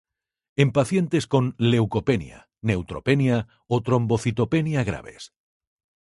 En pacientes con leucopenia, neutropenia o trombocitopenia graves.